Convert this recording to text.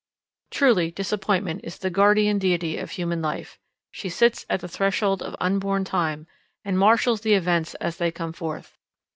Truly disappointment is the guardian deity of human life; she sits at the threshold of unborn time, and marshals the events as they come forth.